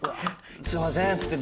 「すみません」っつって。